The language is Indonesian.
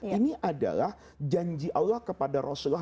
ini adalah janji allah kepada rasulullah